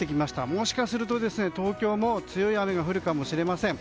もしかすると、東京も強い雨が降るかもしれません。